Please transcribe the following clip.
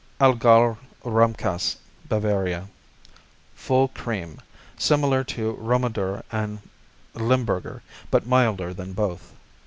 Allgäuer Rahmkäse Bavaria Full cream, similar to Romadur and Limburger, but milder than both.